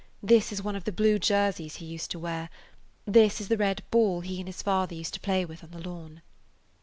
This is one of the blue jerseys he used to wear. This is the red ball he and his father used to play with on the lawn."